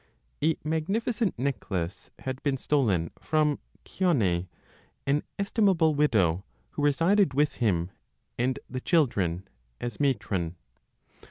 A magnificent necklace had been stolen from Chione, an estimable widow, who resided with him and the children (as matron?).